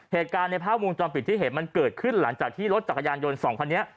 เหตุการณ์ในภาพวงจรปิดที่เห็นมันเกิดขึ้นหลังจากที่รถจักรยานยนต์สองคันนี้